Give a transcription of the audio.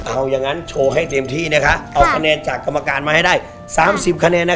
เอาอย่างนั้นโชว์ให้เต็มที่นะคะเอาคะแนนจากกรรมการมาให้ได้๓๐คะแนน